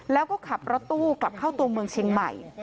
แล้วก็ขับรถตู้กลับเข้าตัวเมืองเชียงใหม่